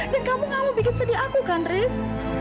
dan kamu gak mau bikin sedih aku kan riz